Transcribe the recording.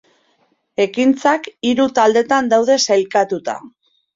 Ekintzak hiru taldetan daude sailkatuta.